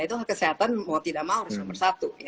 itu kesehatan mau tidak mau harus nomor satu